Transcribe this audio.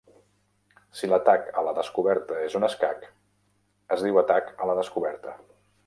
Si l'atac a la descoberta és un escac, es diu atac a la descoberta